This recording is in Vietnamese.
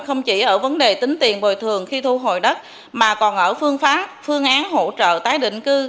không chỉ ở vấn đề tính tiền bồi thường khi thu hồi đất mà còn ở phương pháp phương án hỗ trợ tái định cư